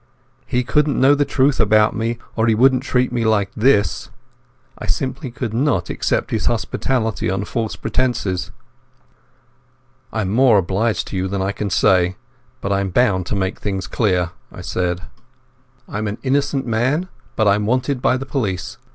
He couldn't know the truth about me, or he wouldn't treat me like this. I simply could not accept his hospitality on false pretences. "I'm more obliged to you than I can say, but I'm bound to make things clear," I said. "I'm an innocent man, but I'm wanted by the police.